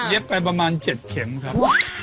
ไปประมาณ๗เข็มครับ